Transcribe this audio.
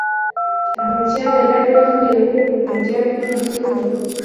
احمدشاه د لنډ وخت تېرولو په پنجاب کې مصروف وو.